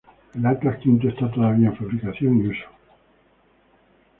El Atlas V esta todavía en fabricación y uso.